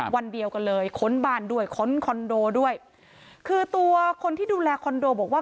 วันเดียวกันเลยค้นบ้านด้วยค้นคอนโดด้วยคือตัวคนที่ดูแลคอนโดบอกว่า